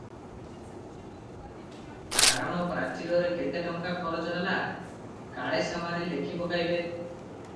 କାରଣ ପ୍ରାଚୀରରେ କେତେ ଟଙ୍କା ଖରଚ ହେଲା, କାଳେସେମାନେ ଲେଖିପକାଇବେ ।